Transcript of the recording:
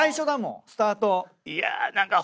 スタート。